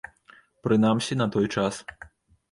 Прынамсі, на той час.